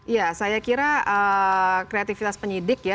ya saya kira kreativitas penyidik ya